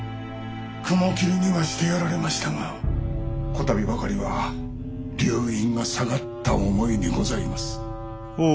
雲霧にはしてやられましたが此度ばかりは留飲が下がった思いにございます。